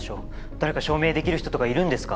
誰か証明できる人とかいるんですか？